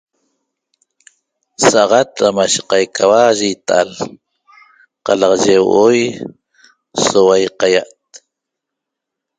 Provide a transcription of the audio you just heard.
Saxat ra mashe qaicaua ye ita'al qalaxaye huo'oi soua iqaia't